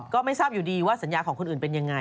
ก็ไม่ทราบอยู่ดีว่าสัญญาของคนอื่นเป็นยังไง